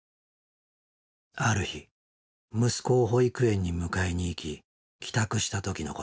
ある日息子を保育園に迎えに行き帰宅した時のこと。